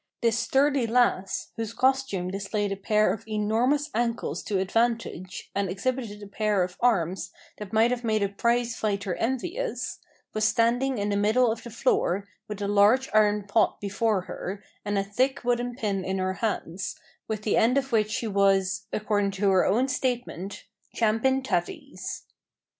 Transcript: This sturdy lass, whose costume displayed a pair of enormous ankles to advantage, and exhibited a pair of arms that might have made a prize fighter envious, was standing in the middle of the floor, with a large iron pot before her and a thick wooden pin in her hands, with the end of which she was, according to her own statement, "champin' tatties."